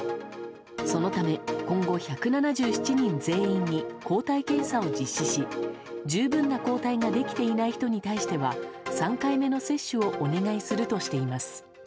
そのため今後１７７人全員に抗体検査を実施し十分な抗体ができていない人に対しては３回目の接種をお願いするとしています。